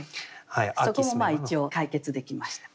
そこも一応解決できました。